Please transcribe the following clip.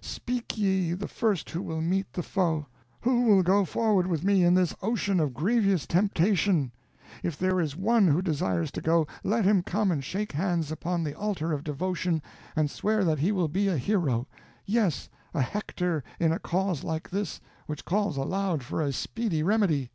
Speak ye, the first who will meet the foe! Who will go forward with me in this ocean of grievous temptation? If there is one who desires to go, let him come and shake hands upon the altar of devotion, and swear that he will be a hero; yes, a Hector in a cause like this, which calls aloud for a speedy remedy."